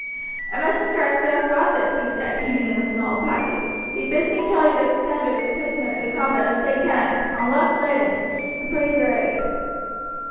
"A messenger has just brought this," he said, handing him a small packet. "He bids me tell you that the sender is a prisoner in the convent of St. Kenneth, on Loch Leven, and prays your aid."